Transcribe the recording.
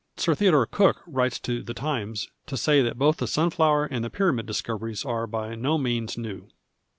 Sir Theodore Cook writes to The Times to say that both the sunflower and the Pyramid discoveries are by no means new.